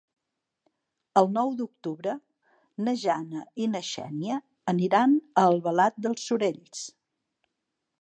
El nou d'octubre na Jana i na Xènia aniran a Albalat dels Sorells.